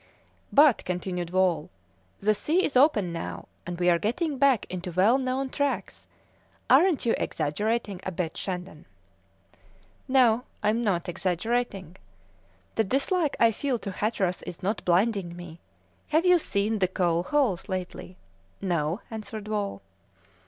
"But," continued Wall, "the sea is open now, and we are getting back into well known tracks; aren't you exaggerating a bit, Shandon?" "No, I am not exaggerating; the dislike I feel to Hatteras is not blinding me. Have you seen the coal holes lately?" "No," answered Wall.